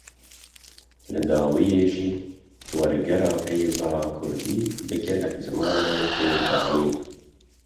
Li dawîyê jî wergera peyva kurdî bi gelek zimanan tê dayîn.